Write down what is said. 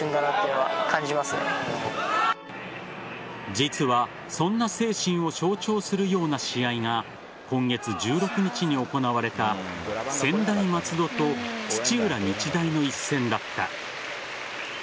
実はそんな精神を象徴するような試合が今月１６日に行われた専大松戸と土浦日大の一戦だった。